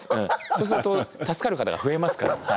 そうすると助かる方が増えますから。